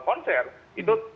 konser itu terkaitnya